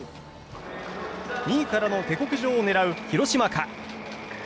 ２位からの下克上を狙う広島か。